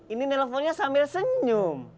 ini nelfonnya sambil senyum